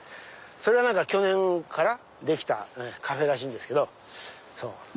それが去年かなできたカフェらしいんですけど。